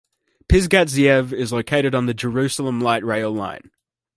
Pisgat Ze'ev is located on the Jerusalem Light Rail line.